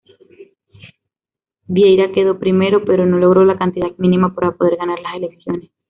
Vieira quedó primero, pero no logró la cantidad mínima para poder ganar las elecciones.